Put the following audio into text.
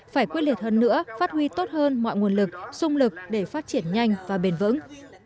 phải quyết liệt hơn nữa phát huy tốt hơn mọi nguồn lực sung lực để phát triển nhanh và bền vững